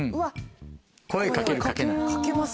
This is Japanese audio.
声かけるかけない。